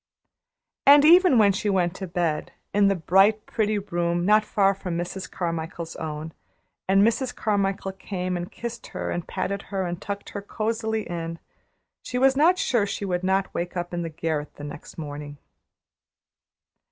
And even when she went to bed, in the bright, pretty room not far from Mrs. Carmichael's own, and Mrs. Carmichael came and kissed her and patted her and tucked her in cozily, she was not sure that she would not wake up in the garret in the morning.